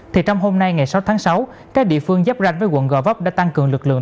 thì trong hôm nay ngày sáu tháng sáu các địa phương giáp ranh với quận gò vấp đã tăng cường lực lượng